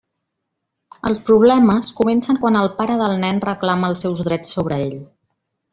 Els problemes comencen quan el pare del nen reclama els seus drets sobre ell.